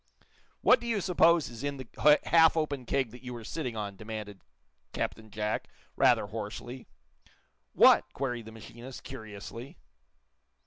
"What do you suppose is in the half open keg that you were sitting on?" demanded Captain Jack, rather hoarsely. "What!" queried the machinist, curiously.